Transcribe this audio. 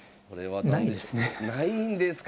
ないんですか！